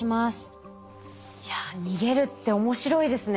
いや逃げるって面白いですね。